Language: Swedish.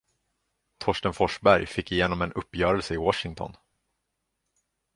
Torsten Forsberg fick igenom en uppgörelse i Washington.